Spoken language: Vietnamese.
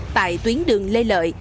tại tuyến đường lê lợi